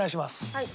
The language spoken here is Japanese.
はい。